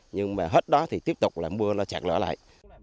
nhưng mà hết đó thì tiếp tục là mưa nó chạc lỡ lại